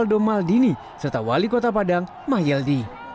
kampanye prabowo maldini serta wali kota padang mahyaldi